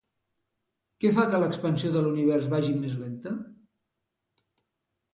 Què fa que l'expansió de l'univers vagi més lenta?